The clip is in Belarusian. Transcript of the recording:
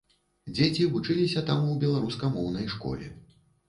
Дзеці вучыліся там у беларускамоўнай школе.